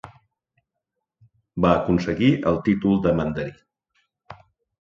Va aconseguir el títol de mandarí.